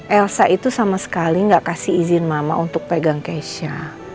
elsa itu sama sekali gak kasih izin mama untuk pegang keisha